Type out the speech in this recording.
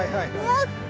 やった！